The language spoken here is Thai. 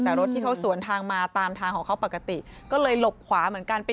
แต่รถที่เขาสวนทางมาตามทางของเขาปกติก็เลยหลบขวาเหมือนกันไป